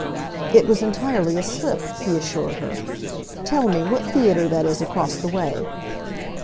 "It was entirely a slip," he assured her. "Tell me what theatre that is across the way?"